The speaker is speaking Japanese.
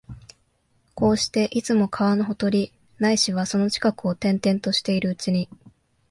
こうして、いつも川のほとり、ないしはその近くを転々としているうちに、